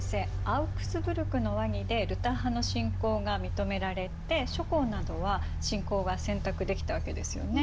アウクスブルクの和議でルター派の信仰が認められて諸侯などは信仰が選択できたわけですよね。